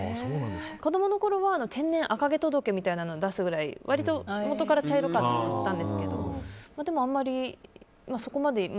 子供のころは天然赤毛届みたいなのを出すぐらいもとから茶色かったんですけどでもあまりそこまで。